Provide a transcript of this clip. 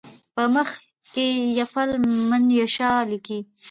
په مخ کې یفل من یشاء لیکي.